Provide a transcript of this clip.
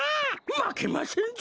まけませんぞ！